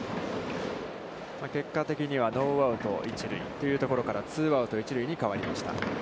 結果的にはノーアウト、一塁というところからツーアウト、一塁に変わりました。